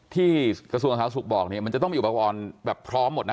ที่กระทรวงศาสตร์ศุกร์บอกนี้มันจะต้องมีอุปกรณ์แบบพร้อมหมดนะ